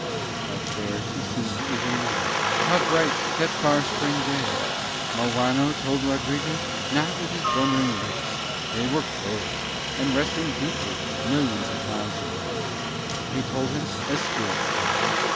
How fair she seemed even now, how bright that far spring day. Morano told Rodriguez not with his blundering lips: they were closed and resting deeply millions of miles away: he told him as spirits tell.